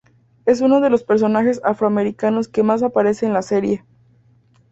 Es uno de los personajes afroamericanos que más aparece en la serie.